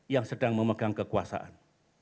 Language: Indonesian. yang sedang memegang kekuasaan